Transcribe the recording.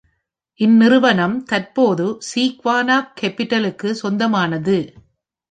இந்நிறுவனம் தற்போது சீக்வானா கேப்பிட்டலுக்கு சொந்தமானது.